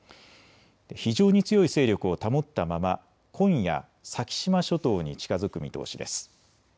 非常に強い勢力を保ったまま今夜、先島諸島に近づく見通しです。